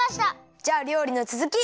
じゃありょうりのつづき！